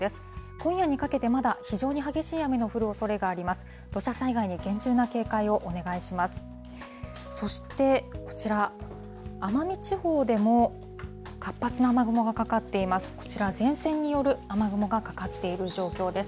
今夜にかけて、まだ非常に激しい雨の降るおそれがあります。